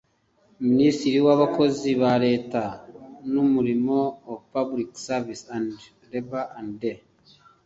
minisitiri w abakozi ba leta n umurimo of public service and labour and the